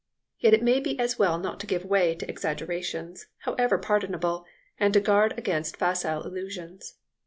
Yet it may be as well not to give way to exaggerations, however pardonable, and to guard against facile illusions.